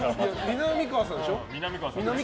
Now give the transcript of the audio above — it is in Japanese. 南川さんでしょ？